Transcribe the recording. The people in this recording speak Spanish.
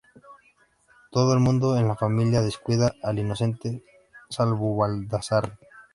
Todo el mundo en la familia descuida al Inocente, salvo Baldassarre.